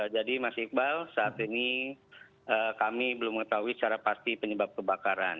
jadi mas iqbal saat ini kami belum mengetahui secara pasti penyebab kebakaran